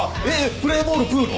「プレーボールぷー」の？